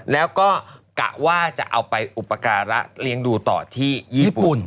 แล้วก็กะว่าจะเอาไปอุปการะเลี้ยงดูต่อที่ญี่ปุ่น